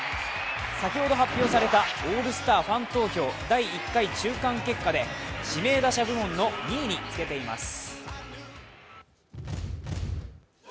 先ほど発表されたオールスターファン投票第１回中間結果で指名打者部門の２位につけています。